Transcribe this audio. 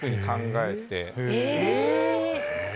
え！